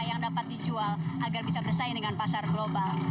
yang dapat dijual agar bisa bersaing dengan pasar global